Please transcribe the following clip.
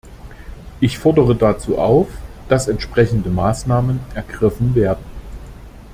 Ich fordere dazu auf, dass entsprechende Maßnahmen ergriffen werden.